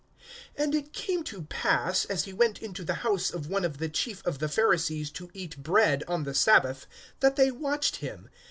AND it came to pass, as he went into the house of one of the chief of the Pharisees to eat bread on the sabbath, that they watched him.